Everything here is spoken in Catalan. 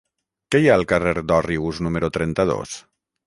Què hi ha al carrer d'Òrrius número trenta-dos?